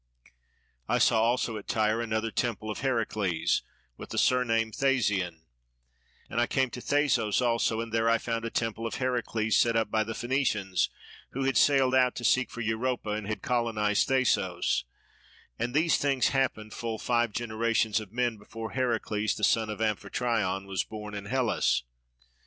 I saw also at Tyre another temple of Heracles, with the surname Thasian; and I came to Thasos also and there I found a temple of Heracles set up by the Phenicians, who had sailed out to seek for Europa and had colonised Thasos; and these things happened full five generations of men before Heracles the son of Amphitryon was born in Hellas.